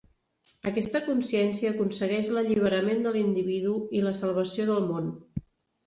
Aquesta consciència aconsegueix l'alliberament de l'individu i la salvació del món.